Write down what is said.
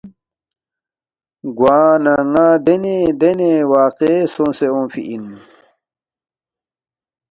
گوانہ ن٘ا لہ دینے دینے واقعے سونگسے اونگفی اِن